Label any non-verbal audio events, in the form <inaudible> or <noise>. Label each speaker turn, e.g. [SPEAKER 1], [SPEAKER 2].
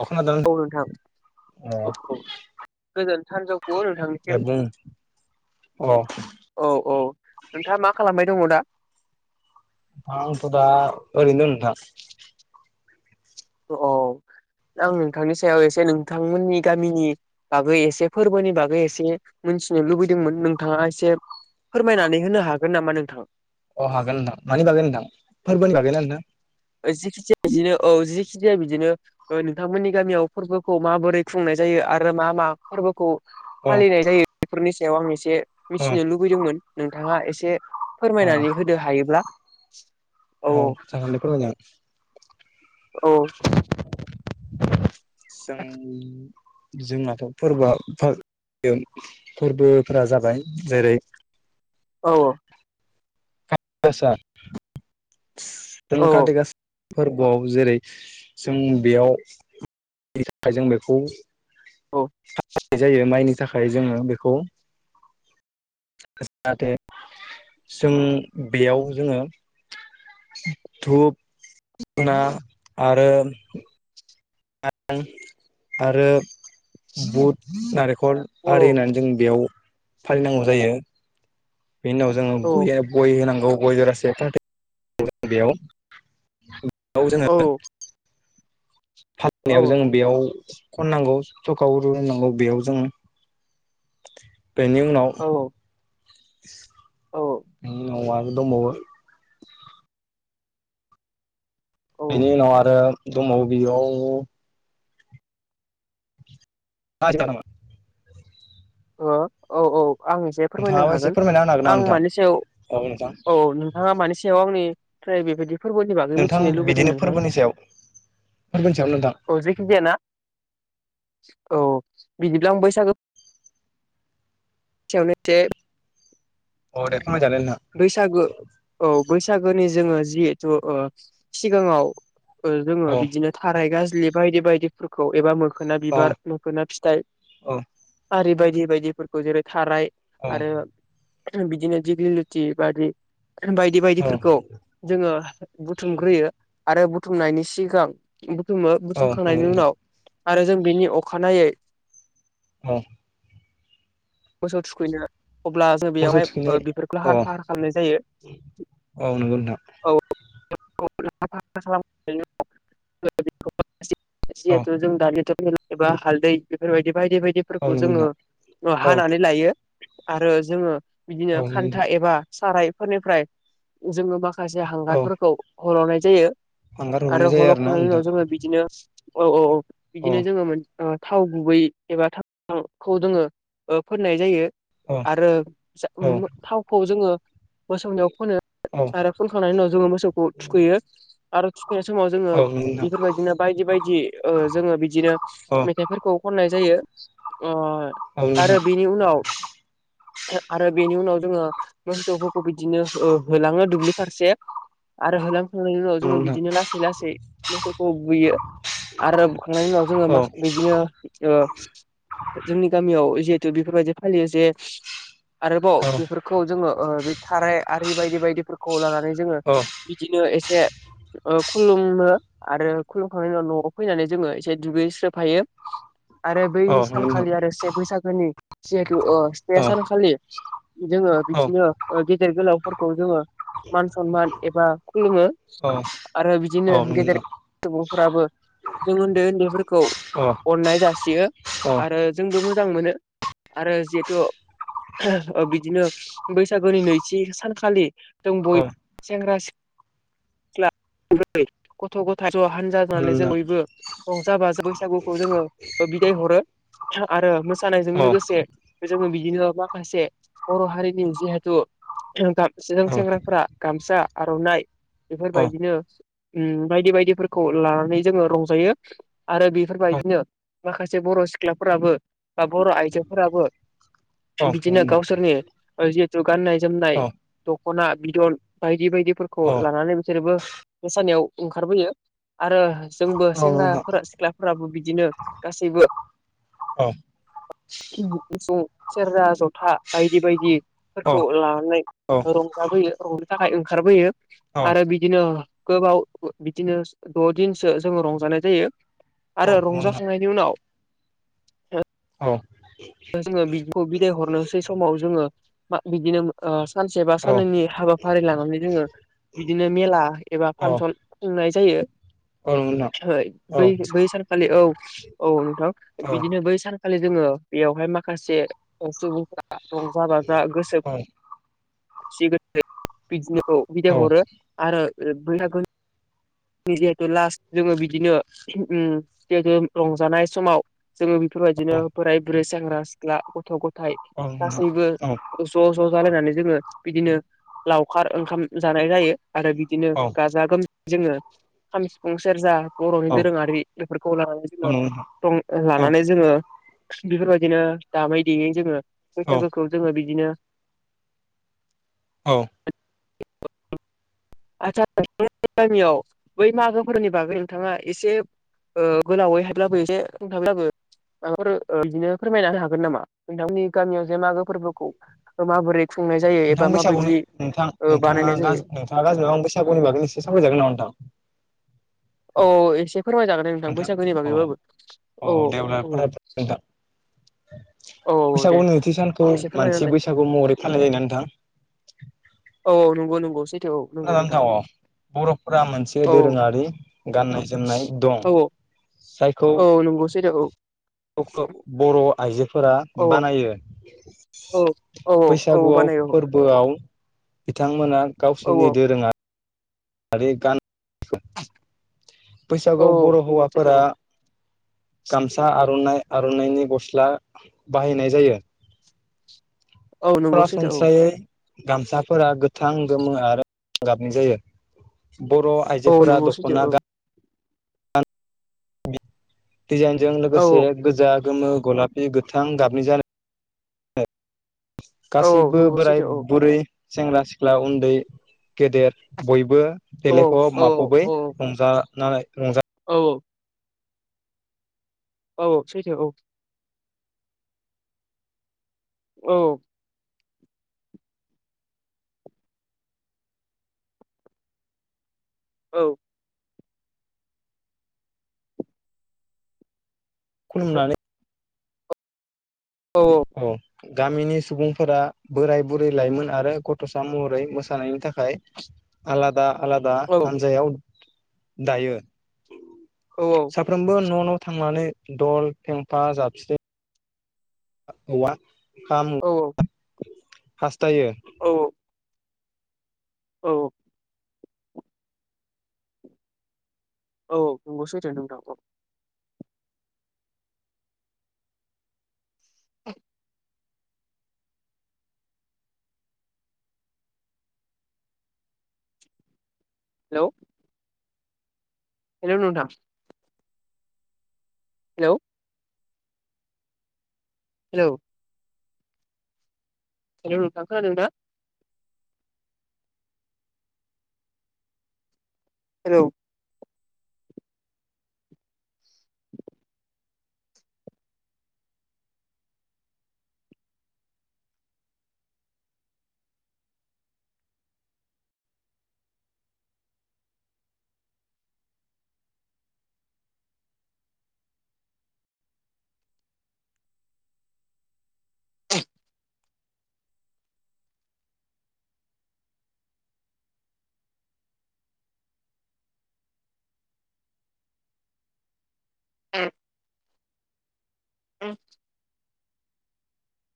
[SPEAKER 1] अ खोनादों
[SPEAKER 2] औ नोंथां
[SPEAKER 1] अ
[SPEAKER 2] औ औ गोजोन सानजौफु
[SPEAKER 1] दे
[SPEAKER 2] नोंथांनिसिम
[SPEAKER 1] बुं अ
[SPEAKER 2] औ औ नोंथाङा मा खालामबाय दङ दा
[SPEAKER 1] आंथ दा ओरैनो दं नोंथां
[SPEAKER 2] औ आं नोंथांनि सायाव एसे नोंथांमोननि गामिनि बागै एसे फोरबोनि बागै एसे मिथिनो लुबैदोंमोन नोंथाङा एसे फोरमायनानै होनो हागोन नामा नोंथां
[SPEAKER 1] अ हागोन होनदां मानि बागै होनदां फोरबोनि बागै ना नोंथां
[SPEAKER 2] जिखिजाया बिदिनो औ जिखि जाया बिदिनो नोंथांमोननि गामियाव फोरबोखौ माबोरै खुंनाय जायो यो आरो मा मा फोरबोखौ
[SPEAKER 1] अ
[SPEAKER 2] फालिनाय जायो बेफोरनि सायाव आं एसे
[SPEAKER 1] अ
[SPEAKER 2] मिथिनो लुबैदोंमोन नोंथाङा एसे फोरमायनानै होदो हायोब्ला
[SPEAKER 1] औ जागोनदे फोरमायनो
[SPEAKER 2] औ
[SPEAKER 1] जों जोंनाथ फोरबोआ फा फोरबोफोरा जाबाय जेरै
[SPEAKER 2] औ औ
[SPEAKER 1] गासा <unintelligible> ओम
[SPEAKER 2] औ
[SPEAKER 1] काति गास फोरबोआव जेरै जों बेयावनि <unintelligible> थाखाय जों बेखौ
[SPEAKER 2] औ
[SPEAKER 1] मावनाय <unintelligible> जायो माइनि थाखाय जोङो बेखौ जाहाथे जों बेयाव जोङो धुप धुना आरो <unintelligible> आरो बुट नारेंखल आरि
[SPEAKER 2] औ
[SPEAKER 1] होननानै जों बेयाव फालिनांगौ जायो। बे उनाव जोङो <unintelligible>
[SPEAKER 2] औ
[SPEAKER 1] गय होनांगौ गय जरासे थ बेयाव औ जोङो फाननायाव जों
[SPEAKER 2] औ
[SPEAKER 1] बेयाव खननांगौ थखा रनांगौ <unintelligible> बेयाव जों बेनि उनाव
[SPEAKER 2] औ औ
[SPEAKER 1] बिनि उनाव आरो दंबावो बेनि उनाव आरो दंबावो बियाव राज खालामा <unintelligible>
[SPEAKER 2] अ औ औ आं एसे फोरमायनो
[SPEAKER 1] नोंथाङाबो एसे
[SPEAKER 2] हागोन
[SPEAKER 1] फोरमायना होनो
[SPEAKER 2] आं
[SPEAKER 1] हागोन नामा नोंथां
[SPEAKER 2] मानि सायाव
[SPEAKER 1] औ नोंथां
[SPEAKER 2] औ प्राय बेबायदि फोरबोलनि बागै
[SPEAKER 1] नोंथां
[SPEAKER 2] मिथिनो लुबैदों
[SPEAKER 1] बिदिनो
[SPEAKER 2] नोंथां
[SPEAKER 1] फोरबोनि सायाव फोरबोनि सायाव नोंथां
[SPEAKER 2] अ जेखि जायाना औ बिदिब्ला आं बैसागो सायावनो एसे <unintelligible>
[SPEAKER 1] औ दे फोरमायजादो नोंथां
[SPEAKER 2] बैसागो औ बैसागोनि जोङो जिहेथु ओ सिगाङाव जोङो
[SPEAKER 1] औ
[SPEAKER 2] बिदिनो थाराइ फालि बायदि बायदिफोरखौ एबा मोखोना
[SPEAKER 1] औ
[SPEAKER 2] बिबार मोखोना फिथाइ आरि बाय दि बायदिफोरखौ जेरै थाराइ
[SPEAKER 1] औ
[SPEAKER 2] आरो बिदिनो दिग्लि लुथि बादि बायदि
[SPEAKER 1] औ
[SPEAKER 2] बायदिफोरखौ जोङो बुथुमग्रोयो आरो बुथुमनायनि सिगां बुथुमो
[SPEAKER 1] औ नंगौ
[SPEAKER 2] बुथुमखांनायनि
[SPEAKER 1] नोंथां
[SPEAKER 2] उनाव आरो जों बिनि अखानायै
[SPEAKER 1] औ <inaudible>
[SPEAKER 2] मोसौ थुखैनो अब्ला जों
[SPEAKER 1] मोसौ
[SPEAKER 2] बेयावहाय
[SPEAKER 1] थुखैनाय
[SPEAKER 2] बेफोरखौ
[SPEAKER 1] अ
[SPEAKER 2] लाहार फाहार खालामनाय जायो
[SPEAKER 1] औ नंगौ नोंथां
[SPEAKER 2] औ <unintelligible>
[SPEAKER 1] औ
[SPEAKER 2] जिहेथु <unintelligible> जों दानिथ' मेला एबा हालदै बेफोरबायदि बायदि
[SPEAKER 1] औ
[SPEAKER 2] बायदिफोरखौ
[SPEAKER 1] नंगौ
[SPEAKER 2] जोङो
[SPEAKER 1] नोंथां औ
[SPEAKER 2] हानानै लायो आरो जोङो बिदिनो
[SPEAKER 1] औ नंगौ
[SPEAKER 2] खान्था
[SPEAKER 1] नोंथां
[SPEAKER 2] एबा सारायफोरनिफ्राय जोङो माखासे
[SPEAKER 1] औ
[SPEAKER 2] हांगारफोरखौ हल'नाय जायो
[SPEAKER 1] हांगार
[SPEAKER 2] आरो
[SPEAKER 1] हरनाय जायो आरोना नोंथां
[SPEAKER 2] हल'खांनायनि उनाव जोङो बिदिनो औ औ औ
[SPEAKER 1] औ
[SPEAKER 2] बिदिनो जोङो थाव गुबै एबा थशखौ जोङो फोननाय जायो
[SPEAKER 1] औ
[SPEAKER 2] आरो
[SPEAKER 1] औ
[SPEAKER 2] थावखौ जोङो मोसौनियाव फोनो
[SPEAKER 1] औ
[SPEAKER 2] आरो खनखांनायनि उनाव जोङो मोसौखौ थुखैयो आरो थुखैनाय समाव जोङो
[SPEAKER 1] नंगौ नोंथां
[SPEAKER 2] बेफोरबायदिनो बायदि बायदि जोङो बिदिनो
[SPEAKER 1] औ
[SPEAKER 2] मेथाइफोरखौ खननाय जायो। अ
[SPEAKER 1] औ
[SPEAKER 2] आरो
[SPEAKER 1] नोंथां
[SPEAKER 2] बेनि उनाव आरो बेनि उनाव जोङो मोसौफोरखौ बिदिनो होलाङो दुब्लि फारसे आरो होलांखांनायनि उनाव
[SPEAKER 1] नंगौ
[SPEAKER 2] जोङो
[SPEAKER 1] नोंथां
[SPEAKER 2] बिदिनो लासै लासै मोसौखौ बुयो आरो बुखांनायनि उनाव जोङो
[SPEAKER 1] औ
[SPEAKER 2] मा खामो इदिनो जोंनि गिबियाव जिहेतु बेफोरबायदि फालियो जे आरोबाव
[SPEAKER 1] औ
[SPEAKER 2] बेफोरखौ जोङो थाराय आरि बायदि बायदिफोरखौ लानानै जोङो
[SPEAKER 1] औ
[SPEAKER 2] बिदिनो एसे ओ खुलुमो आरो खुलुमखांनायनि उनाव न'आव फैनानै जोङो एसे दुगैस्रोबफायो आरो बै
[SPEAKER 1] औ नंगौ नोंथां औ नंगौ नोंथां
[SPEAKER 2] सानखालि आरो बागोनि जिहेथु ओ से
[SPEAKER 1] औ नंगौ नोंथां औ
[SPEAKER 2] सानखालि जोङो
[SPEAKER 1] औ
[SPEAKER 2] बिदिनो गेदेर गोलाव फोरखौ जोङो मान सनमान एबा खुलुमो।
[SPEAKER 1] औ नंगौ नोंथां औ
[SPEAKER 2] आरो
[SPEAKER 1] नंगौ नोंथां औ
[SPEAKER 2] बिदिनो
[SPEAKER 1] नंगौ नोंथां औ नंगौ नोंथां औ नंगौ
[SPEAKER 2] गेदेर
[SPEAKER 1] नोंथां
[SPEAKER 2] सुबुंफोराबो जों उन्दै उन्दैफोरखौ अननाय जासियो आरो आबो मोजां मोनो आरो जिहेथु बिदिनो बैसागुनि नैथि सानखालि जों बयबो सेंग्रा सिख्ला सिख्ला गथ' गथाय ज' हानजा जानानै जों बयबो रंजा बाज बैसागुखौ जोङो बिदाय हरो आरो मोसानायजों लोगोसे जोङो बिदिनो माखासे बर' हारिनि जिहेथु सिगां सेंग्राफोरा गामसा आर'नाइ बेफोरबायदिनो बायदि बायदिफोरखौ लानानै जोङो रंजायो आरो बेफोरबायदिनो माखासे बर' सिख्लाफोराबो बा बर' आइजोफोराबो बिदिनो गावसोरनि जि गाननाय जोमनाय दख'ना बिदन बाय दि बायदिफोरखौ लानानै बिसोरोबो मोसानायाव ओंखारबोयो। आरो जोंबो सेंग्राफोरा सिख्लाफोराबो बिदिनो गासैबो
[SPEAKER 1] औ
[SPEAKER 2] बुं सेरजा जथा बायदि बायदिफोरखौ लानानै रंजाबोयो रं थाखाय ओंखारबोयो आरो बिदिनो गोबाव बिदिनो द'दिनसो जोङो रंजानाय जायो। आरो रंजाखांनायनि उनाव जोङो बिखौ बिदाय हरनोसै समाव जोङो बिदिनो सानसेबा साननैनि हाबाफारि लानानै जोङो बिदिनो मेला एबा फांसन खुंनाय जायो बै बै सानखालि औ औ नोंथां बिदिनो बै सानखा जोङो बेयावहाय माखासे सुबुंफोरा रंजा बाजा गोसो खुसि <unintelligible> हरो आरो <unintelligible> जिहेतु लास्ट जोङो बिदिनो जिहेतु रंजानाय समाव जोङो बेफोरबायदिनो बोराय बुरै सेंग्रा सिख्ला गथ' गथ' नाथाय गासैबो ज' ज' लानानै जोङो बिदिनो लखार ओंखाम जानाय जायो आरो बिदिनो
[SPEAKER 1] औ
[SPEAKER 2] गाजा गोमजा जोङो खाम सिफुं सेरजा बर'नि
[SPEAKER 1] औ
[SPEAKER 2] दोरोङारि बेफोरखौ लानानै
[SPEAKER 1] औ नोंथां
[SPEAKER 2] जोङो
[SPEAKER 1] औ
[SPEAKER 2] लानानै जोङो बेफोरबायदिनो दामै देयै जोङो
[SPEAKER 1] औ
[SPEAKER 2] बैसागोखौ जोङो बिदिनो
[SPEAKER 1] औ
[SPEAKER 2] आदसा गामियाव बै मागोफोरनि बागै नोंथाङा एसे गोलावै हायफब्लाबोयो एसे ओंथाबब्लाबो माफोर बिदिनो फोरमायनानै हागोन नामा नोंथांनि गामियाव जे मागो फोरबोखौ माबोरै खुंनाय जायो
[SPEAKER 1] नोंथां
[SPEAKER 2] एबा
[SPEAKER 1] बैसागुनि
[SPEAKER 2] माबायदि
[SPEAKER 1] नोंथां नोंथाङा
[SPEAKER 2] बानायनाय जायो?
[SPEAKER 1] नोंथाङा बैसागुनि बागैबो एसे सावराय जागोन नामा नोंथां
[SPEAKER 2] औ एसे फोरमाय जागोन नोंथां बैसागोनि बागैबाबो औ औ औ
[SPEAKER 1] <inaudible>
[SPEAKER 2] औ
[SPEAKER 1] बैसागु
[SPEAKER 2] दे
[SPEAKER 1] नैथि सानखौ
[SPEAKER 2] एसे
[SPEAKER 1] मानसि
[SPEAKER 2] फोरमायनालाय
[SPEAKER 1] बैसागु महरै फानलिनाय जायो ना नोंथां।
[SPEAKER 2] औ औ नंगौ नंगौ सैथो औ नंगौ
[SPEAKER 1] खोनादोंना
[SPEAKER 2] नोंथां
[SPEAKER 1] अ बर'फोरा मोनसे
[SPEAKER 2] औ
[SPEAKER 1] दोरोङारि गाननाय जोमनाय दं
[SPEAKER 2] औ
[SPEAKER 1] जायखौ
[SPEAKER 2] औ नंगौ सैथो औ
[SPEAKER 1] बर' आइजोफोरा
[SPEAKER 2] औ
[SPEAKER 1] बानायो
[SPEAKER 2] औ औ औ
[SPEAKER 1] बैसागुआव
[SPEAKER 2] बानायो
[SPEAKER 1] फोरबोआव बिथांमोना
[SPEAKER 2] औ
[SPEAKER 1] जोंनि दोरोङा आरो गा
[SPEAKER 2] <inaudible> औ
[SPEAKER 1] बैसागु बर'
[SPEAKER 2] नंगौ सैथो
[SPEAKER 1] हौवाफोरा गामसा आर'नाइ आर'नाइनि गस्ला बाहायनाय जायो
[SPEAKER 2] औ औ नंगौ सैथो
[SPEAKER 1] सरासनस्रायै गामसाफोरा गोथां गोमो आरो गाबनि जायो बर'
[SPEAKER 2] औ
[SPEAKER 1] आइजोफोरा
[SPEAKER 2] नंगौ सैथो
[SPEAKER 1] दख'ना
[SPEAKER 2] औ
[SPEAKER 1] गान डिजाइनजों लोगोसे
[SPEAKER 2] औ
[SPEAKER 1] गोजा गोमो गलाफि गोथां गाबनि जानाय
[SPEAKER 2] औ
[SPEAKER 1] गासैबो
[SPEAKER 2] नंगौ
[SPEAKER 1] बोराय
[SPEAKER 2] सैथो औ
[SPEAKER 1] बुरै सेंग्रा सिख्ला उन्दै गेदेर बयबो
[SPEAKER 2] औ
[SPEAKER 1] देलायफ
[SPEAKER 2] औ
[SPEAKER 1] माफबै
[SPEAKER 2] औ
[SPEAKER 1] रंजानानै रंज
[SPEAKER 2] औ औ औ सैथो औ औ औ
[SPEAKER 1] खुलुमनानै
[SPEAKER 2] औ औ
[SPEAKER 1] गामिनि सुबुंफोरा बोराय बुरै लाइमोन आरो गथ'सा महरै मोसानायनि थाखाय आलादा आलादा
[SPEAKER 2] औ
[SPEAKER 1] हान्जायाव दायो
[SPEAKER 2] औ
[SPEAKER 1] साफ्रोमबो न' न' थांनानै दल फेंफा जाबस्रिं औवा
[SPEAKER 2] औ
[SPEAKER 1] हासथायो
[SPEAKER 2] औ औ औ नंगौ सैथो नोंथां औ <inaudible> हेल' हेलौ नोंथां हेलौ हेलौ हेलौ नोंथां खोनादों दा हेलौ ए ए